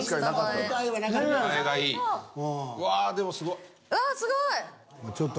うわでもすごっ。